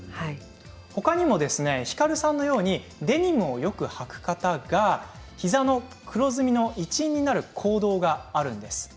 ほかにもひかるさんのようにデニムをよくはく方が膝の黒ずみの一因になる行動があるそうなんです。